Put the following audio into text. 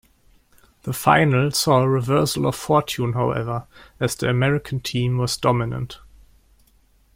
The final saw a reversal of fortune, however, as the American team was dominant.